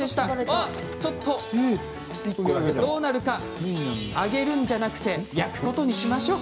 あっちょっとどうなるか揚げるんじゃなくて焼くことにしましょう。